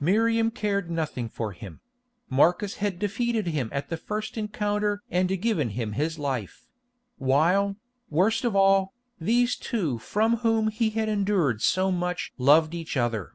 Miriam cared nothing for him; Marcus had defeated him at the first encounter and given him his life; while, worst of all, these two from whom he had endured so much loved each other.